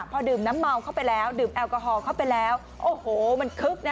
พอดื่มน้ำเมาเข้าไปแล้วดื่มแอลกอฮอลเข้าไปแล้วโอ้โหมันคึกนะ